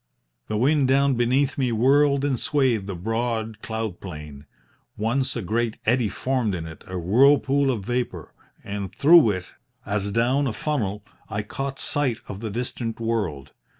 "The wind down beneath me whirled and swayed the broad cloud plain. Once a great eddy formed in it, a whirlpool of vapour, and through it, as down a funnel, I caught sight of the distant world.